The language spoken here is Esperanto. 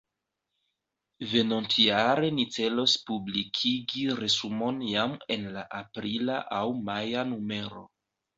Venontjare ni celos publikigi resumon jam en la aprila aŭ maja numero.